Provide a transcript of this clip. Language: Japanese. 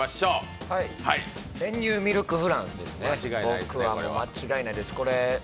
僕はもう、間違いないです。